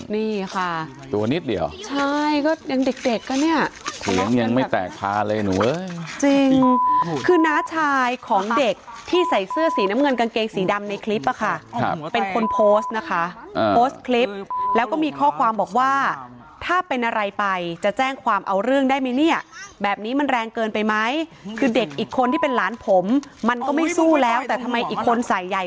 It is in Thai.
นี่ค่ะตัวนิดเดียวใช่ก็ยังเด็กเด็กก็เนี่ยเสียงยังไม่แตกพาเลยหนูเว้ยจริงคือน้าชายของเด็กที่ใส่เสื้อสีน้ำเงินกางเกงสีดำในคลิปอะค่ะเป็นคนโพสต์นะคะโพสต์คลิปแล้วก็มีข้อความบอกว่าถ้าเป็นอะไรไปจะแจ้งความเอาเรื่องได้ไหมเนี่ยแบบนี้มันแรงเกินไปไหมคือเด็กอีกคนที่เป็นหลานผมมันก็ไม่สู้แล้วแต่ทำไมอีกคนใส่ใหญ่